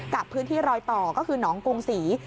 กับพื้นที่รอยต่อก็คือหนองกรุงศรี